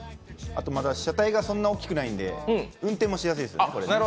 車体がそんなに大きくないので運転もしやすいです。